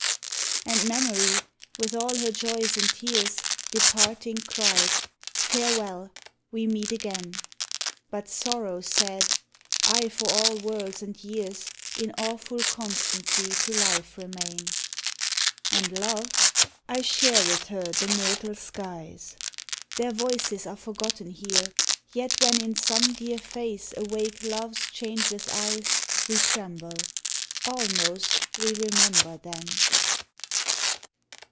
And Memory, with all her joys and tears, Departing cried :" Farewell ! we meet again! " But Sorrow said: "I for all worlds and years In awful constancy to life remain." 122 THE PARTING. And Love : "I share with her the mortal skies." Their voices are forgotten here; yet when In some dear face awake Love's changeless eyes, We tremble almost we remember then.